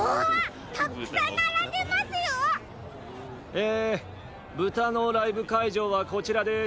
え豚のライブかいじょうはこちらです。